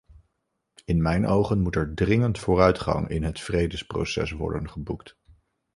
In mijn ogen moet er dringend vooruitgang in het vredesproces worden geboekt.